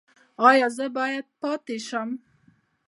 ایا زه باید پاتې شم؟